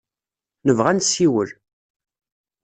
Nebɣa ad nessiwel.